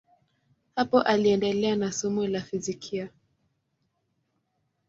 Hapo aliendelea na somo la fizikia.